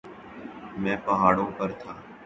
. میں پہاڑوں پر تھا.